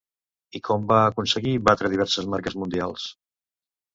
I com va aconseguir batre diverses marques mundials?